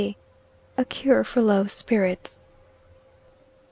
A CURE FOR LOW SPIRITS.